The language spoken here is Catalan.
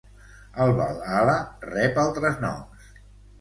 El Valhalla rep altres noms.